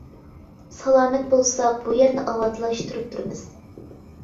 سالامەت بولساق بۇ يەرنى ئاۋاتلاشتۇرۇپ تۇرىمىز.